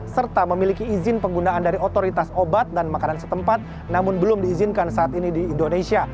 serta memiliki izin penggunaan dari otoritas obat dan makanan setempat namun belum diizinkan saat ini di indonesia